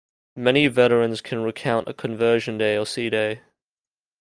Many veterans can recount a conversion day or C-Day.